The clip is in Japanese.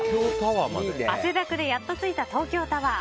汗だくでやっと着いた東京タワー。